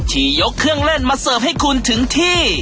ยกเครื่องเล่นมาเสิร์ฟให้คุณถึงที่